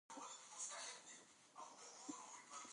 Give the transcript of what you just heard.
په واشنګټن پوهنتون کې ډاکټر ډسیس مشري کوي.